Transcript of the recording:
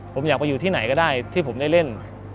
ผมอยากไปอยู่ที่ไหนก็ได้ที่ผมได้เล่น